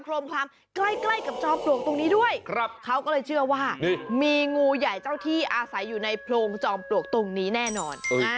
ลมคลามใกล้ใกล้กับจอมปลวกตรงนี้ด้วยเขาก็เลยเชื่อว่ามีงูใหญ่เจ้าที่อาศัยอยู่ในโพรงจอมปลวกตรงนี้แน่นอน